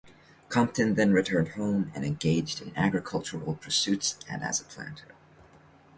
Compton then returned home and engaged in agricultural pursuits and as a planter.